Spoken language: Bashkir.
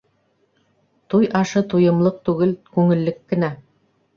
Туй ашы туйымлыҡ түгел, күңеллек кенә.